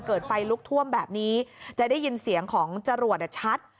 เกิดไฟลุกท่วมแบบนี้จะได้ยินเสียงของจรวดชัด